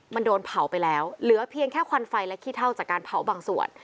มันโดนเผาไปแล้วเหลือเพียงแค่ควันไฟและขี้เท่าจากการเผาบางส่วน